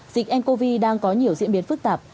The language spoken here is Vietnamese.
dịch ncov đang có nhiều diễn biến phức tạp